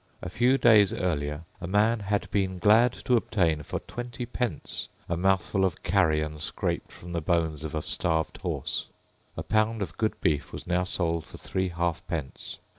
A few days earlier a man had been glad to obtain for twenty pence a mouthful of carrion scraped from the bones of a starved horse. A pound of good beef was now sold for three halfpence.